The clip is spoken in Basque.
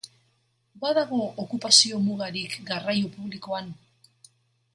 Badago okupazio-mugarik garraio publikoan?